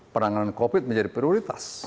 penanganan covid menjadi prioritas